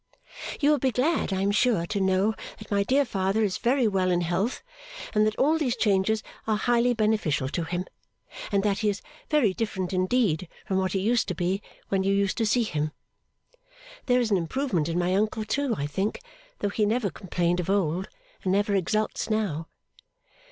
You will be glad, I am sure, to know that my dear father is very well in health, and that all these changes are highly beneficial to him, and that he is very different indeed from what he used to be when you used to see him. There is an improvement in my uncle too, I think, though he never complained of old, and never exults now.